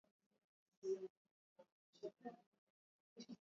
Maziwa kuganda yanapochemshwa kuunda mabonge